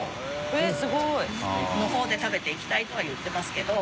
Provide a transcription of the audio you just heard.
えっすごい！・の方で食べていきたいとは言ってますけど。